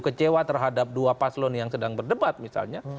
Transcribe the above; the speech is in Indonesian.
kecewa terhadap dua paslon yang sedang berdebat misalnya